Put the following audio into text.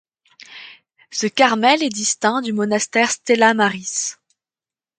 Ce carmel est distinct du monastère Stella Maris.